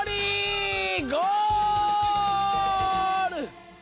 ゴール！